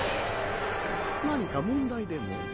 何か問題でも？